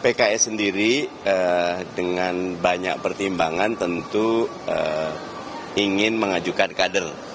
pks sendiri dengan banyak pertimbangan tentu ingin mengajukan kader